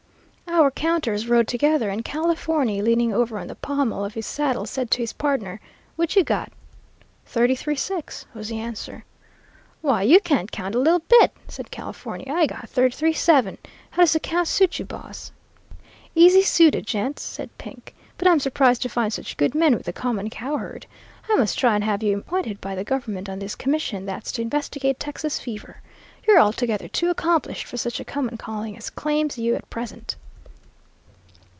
Our counters rode together, and Californy, leaning over on the pommel of his saddle, said to his pardner, 'What you got?' "'Thirty three six,' was the answer. "'Why, you can't count a little bit,' said Californy. 'I got thirty three seven. How does the count suit you, boss?' "'Easy suited, gents,' said Pink. 'But I'm surprised to find such good men with a common cow herd. I must try and have you appointed by the government on this commission that's to investigate Texas fever. You're altogether too accomplished for such a common calling as claims you at present.'